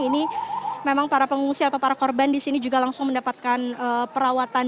ini memang para pengungsi atau para korban di sini juga langsung mendapatkan perawatan